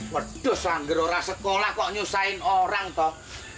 waduh sangger orang sekolah kok nyusahin orang toh